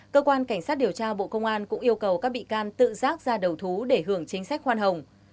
cơ quan cảnh sát điều tra bộ công an cũng yêu cầu các bị can tự rác ra đầu thú để hưởng chính sách khoan hồng